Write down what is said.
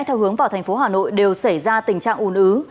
theo hướng vào thành phố hà nội đều xảy ra tình trạng ủn ứ